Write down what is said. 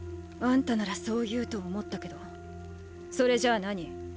あんたならそう言うと思ったけどそれじゃ何？